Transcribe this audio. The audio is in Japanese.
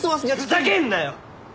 ふざけんなよ！